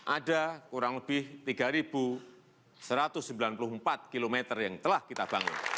ada kurang lebih tiga satu ratus sembilan puluh empat km yang telah kita bangun